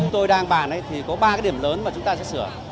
tôi đang bàn thì có ba điểm lớn mà chúng ta sẽ sửa